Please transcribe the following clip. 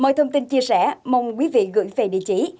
công tin chia sẻ mong quý vị gửi về địa chỉ